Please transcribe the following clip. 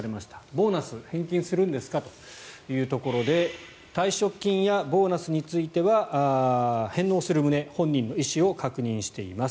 ボーナス、返金するんですかというところで退職金やボーナスについては返納する旨本人の意思を確認しています。